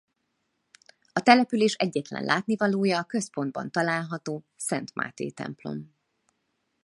A település egyetlen látnivalója a központban található Szent Máté-templom.